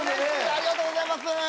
ありがとうございます。